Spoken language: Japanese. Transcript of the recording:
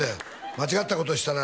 間違ったことしたら」